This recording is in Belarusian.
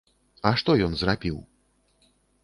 А што ён зрабіў?